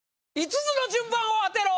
５つの順番を当てろ！